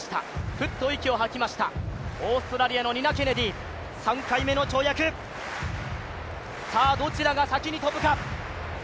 フッと息を吐きました、オーストラリアのニナ・ケネディ、３回目の跳躍、さあ、どちらが先に跳ぶか。